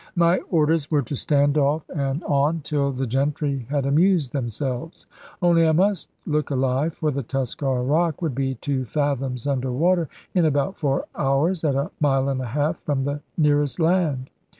My orders were to stand off and on, till the gentry had amused themselves. Only I must look alive; for the Tuskar rock would be two fathoms under water, in about four hours, at a mile and a half from the nearest land.